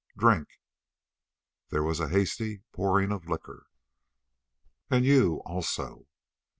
Drink!" There was a hasty pouring of liquor. "And you also!"